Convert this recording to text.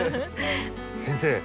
先生